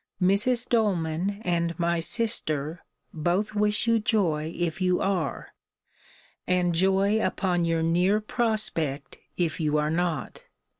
Mrs. Doleman, and my sister, both wish you joy if you are; and joy upon your near prospect if you are not.